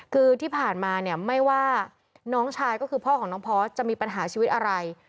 คือที่ผ่านมาเนี่ยไม่ว่าน้องชายก็คือพ่อของน้องพอร์สจะมีปัญหาชีวิตอะไร